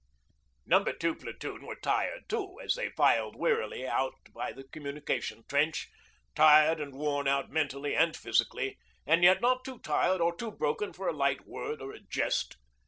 No. 2 Platoon were tired too, as they filed wearily out by the communication trench, tired and worn out mentally and physically and yet not too tired or too broken for a light word or a jest.